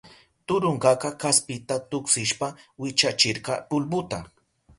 Turunkaka kaspita tuksishpa wichachirka pulbuta.